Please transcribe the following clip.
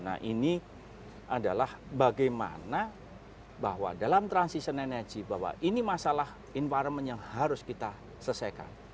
nah ini adalah bagaimana bahwa dalam transition energy bahwa ini masalah environment yang harus kita selesaikan